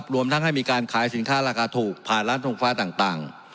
รวมทั้งให้มีการขายสินค้าราคาถูกผ่านร้านทรงฟ้าต่าง